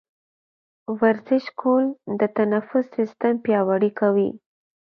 ورزش کول د تنفس سیستم پیاوړی کوي.